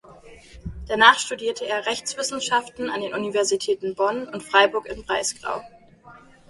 Danach studierte er Rechtswissenschaften an den Universitäten Bonn und Freiburg im Breisgau.